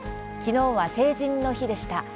きのうは成人の日でした。